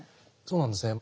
そうなんですね。